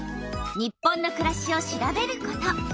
「日本のくらし」を調べること。